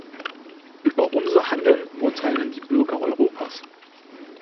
Über unser Handeln urteilen die Bürger Europas.